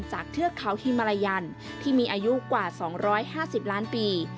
เทือกเขาฮิมาลายันที่มีอายุกว่า๒๕๐ล้านปี